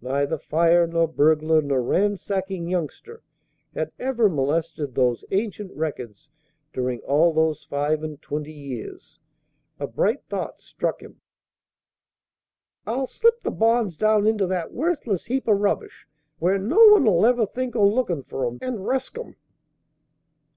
Neither fire nor burglar nor ransacking youngster had ever molested those ancient records during all those five and twenty years. A bright thought struck him. "I'll slip the bonds down into that worthless heap o' rubbish, where no one 'ull ever think o' lookin' for 'em, and resk 'em."